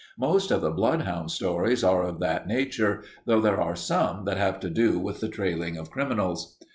Most of the bloodhound stories are of that nature, though there are some that have to do with the trailing of criminals.